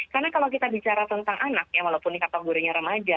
karena kalau kita bicara tentang anak ya walaupun ini kata gurunya remaja